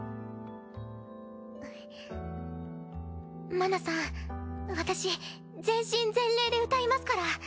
麻奈さん私全身全霊で歌いますから。